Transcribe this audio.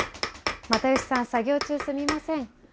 又吉さん作業中すみません。